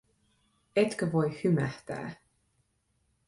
Etkö voi hymähtää?